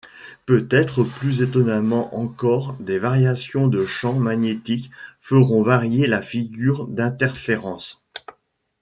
Peut-être plus étonnamment encore, des variations du champ magnétique feront varier la figure d'interférence.